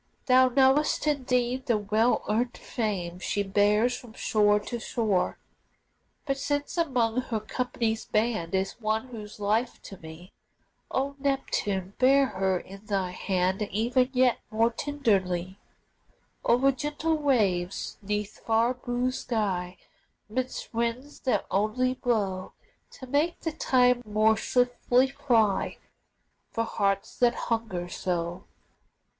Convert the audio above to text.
Thou knowest indeed the well earned fame She bears from shore to shore. But since among her company's band Is one who's life to me, O Neptune, bear her in thy hand E'en yet more tenderly, O'er gentle waves, 'neath fair blue sky, 'Midst winds that only blow To make the time more swiftly fly For hearts that hunger so.